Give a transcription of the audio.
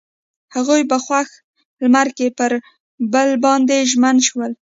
هغوی په خوښ لمر کې پر بل باندې ژمن شول.